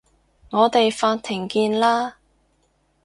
我哋法庭見啦